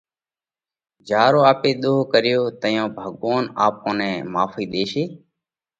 جيا رو آپي ۮوه ڪريوه۔ تئيون ڀڳوونَ آپون نئہ ماڦئِي ۮيشي۔